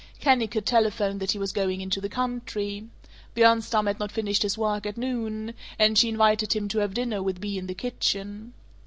Kennicott telephoned that he was going into the country. Bjornstam had not finished his work at noon, and she invited him to have dinner with Bea in the kitchen.